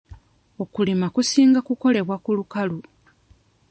Okulima kusinga ku kolebwa ku lukalu.